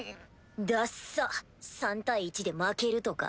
だっさ３対１で負けるとか。